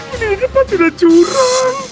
ini depan sudah curang